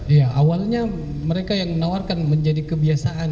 iya awalnya mereka yang menawarkan menjadi kebiasaan